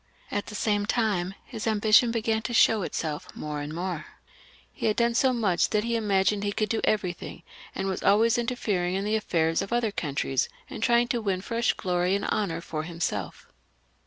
At the same time his ambition began to show itself more and more. He had done so much that he imagined he could do everything, and was always interfering in the afifairs of other countries, and trying to win fresh glory and honour for himself.